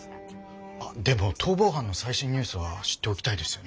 あっでも逃亡犯の最新ニュースは知っておきたいですよね。